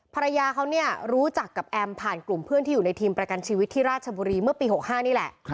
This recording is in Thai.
ภรรยาเขาเนี่ยรู้จักกับแอมผ่านกลุ่มเพื่อนที่อยู่ในทีมประกันชีวิตที่ราชบุรีเมื่อปี๖๕นี่แหละ